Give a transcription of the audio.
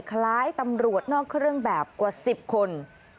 คล้ายตำรวจนอกเครื่องแบบกว่า๑๐คน